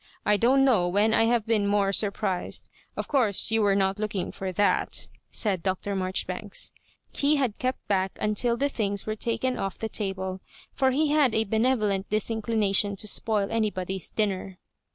I don't know when I have been more surprised. Of course you were not looking for that" said Dr. Marjoribanks. He had kept back until the things were taken off the table, for he had a benevolent disinclination to spoil anybody's din ner.